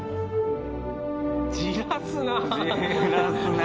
じらすな！